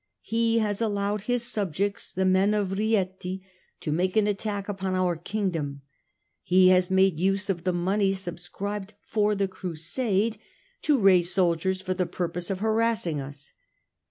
He has allowed his subjects, the men of Rieti, to make an attack upon our Kingdom. He has made use of the money subscribed for the Crusade to raise soldiers for the purpose of harassing us.